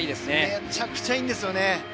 めちゃくちゃいいんですね。